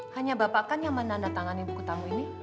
hanya bapak kan yang menandatangani buku tamu ini